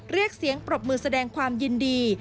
เรียกเสียงปรบมือแสดงความยินดี